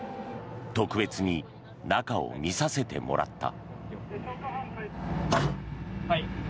特別に中を見させてもらった。